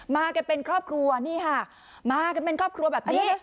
มากันเป็นครอบครัวนี่ค่ะมากันเป็นครอบครัวแบบนี้